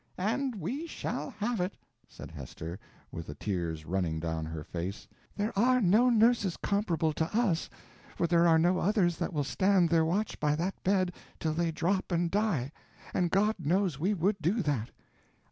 "And we shall have it!" said Hester, with the tears running down her face. "There are no nurses comparable to us, for there are no others that will stand their watch by that bed till they drop and die, and God knows we would do that."